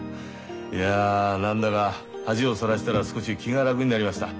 いや何だか恥をさらしたら少し気が楽になりました。